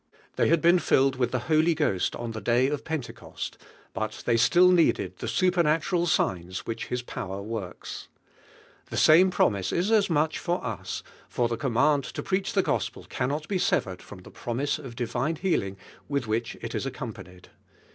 They had been filled with (he Holy Ghost on the day of Pentecost, but they gtiU needed the supernatural signs whirl. Tils power works. The same prom ise is as much for us, for the command to preach the Gospel cannot he severed from the promise of divine healing with which it is accompanied.